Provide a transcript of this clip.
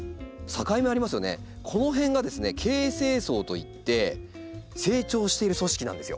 この辺がですね「形成層」といって成長している組織なんですよ。